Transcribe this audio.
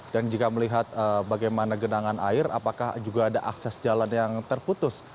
dan jika melihat bagaimana genangan air apakah juga ada akses jalan yang terputus